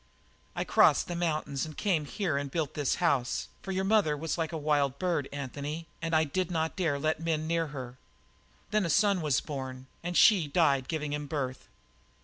I crossed the mountains and came here and built this house, for your mother was like a wild bird, Anthony, and I did not dare to let men near her; then a son was born, and she died giving him birth.